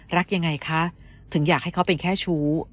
รักยังไงคะถึงอยากให้เขาเป็นแค่ชู้